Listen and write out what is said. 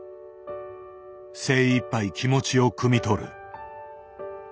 精いっぱい気持ちをくみ取る。